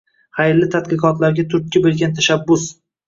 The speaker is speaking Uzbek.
Xayrli tadqiqotlarga turtki bergan tashabbus